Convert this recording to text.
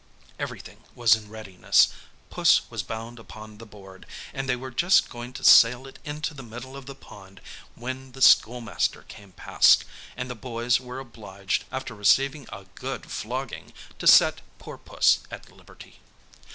Everything was in readiness: Puss was bound upon the board, and they were just going to sail it into the middle of the pond, when the schoolmaster came past, and the boys were obliged, after receiving a good flogging, to set poor Puss at liberty.